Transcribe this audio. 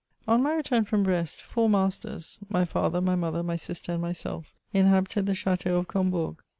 On my return from Brest, four masters (my Either, my mother, my sister, and myself,) inhabited the Chateau of Combourg.